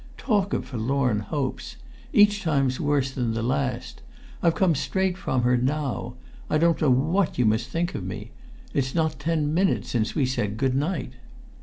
Talk of forlorn hopes! Each time's worse than the last. I've come straight from her now. I don't know what you must think of me! It's not ten minutes since we said good night."